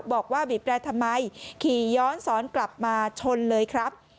บอกว่าบีบแรร์ทำไมขี่ย้อนสอนกลับมาชนเลยครับ